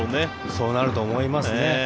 そうなると思いますね。